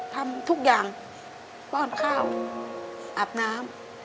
ทำทุกอย่างป้อนข้าวอาบน้ำ